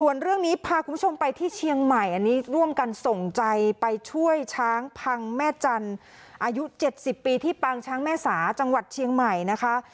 ส่วนเรื่องนี้พาคุณผู้ชมไปที่เชียงใหม่อันนี้ร่วมกันส่งใจไปช่วยช้างพังแม่จันทร์อายุ๗๐ปีที่ปางช้างแม่สาจังหวัดเชียงใหม่นะคะ